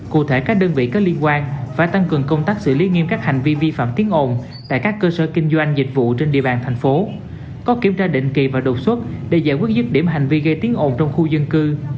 cụ thể các đơn vị có liên quan phải tăng cường công tác xử lý nghiêm các hành vi vi phạm tiếng ồn tại các cơ sở kinh doanh dịch vụ trên địa bàn thành phố có kiểm tra định kỳ và đột xuất để giải quyết dứt điểm hành vi gây tiếng ồn trong khu dân cư